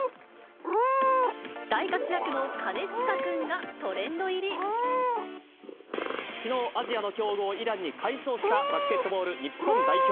大活躍の金近くんがトレンドきのう、アジアの強豪、イランに快勝したバスケットボール日本代表。